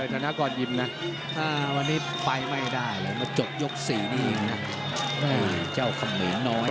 จดยก๔นี่เองนะเจ้าขมิน้อย